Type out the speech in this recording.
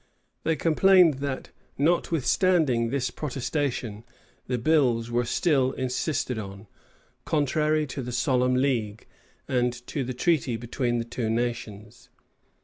They complained that, notwithstanding this protestation, the bills were still insisted on, contrary to the solemn league, and to the treaty between the two nations.